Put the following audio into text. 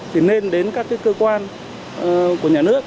thì nên đến các cơ quan của nhà nước